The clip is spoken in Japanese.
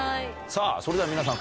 それでは皆さん